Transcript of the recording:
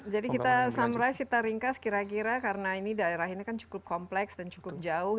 jadi kita sunrise kita ringkas kira kira karena ini daerah ini kan cukup kompleks dan cukup jauh